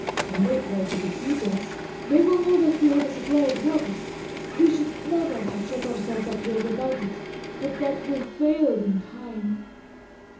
They may try to besiege us. They will know that we have a supply of water we should never have shut ourselves up here without it but that will fail in time."